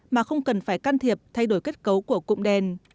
mà không cần phải can thiệp thay đổi kết cấu của cụm đèn